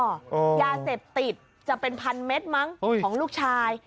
ยาเสพติดจะเป็นพันเม็ดมั้งของลูกชาย